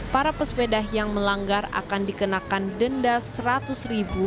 para pesepeda yang melanggar akan dikenakan denda rp seratus